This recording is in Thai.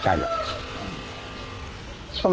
เขาลูกแจ้ง